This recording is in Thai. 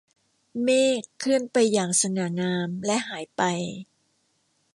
เมฆเคลื่อนไปอย่างสง่างามและหายไป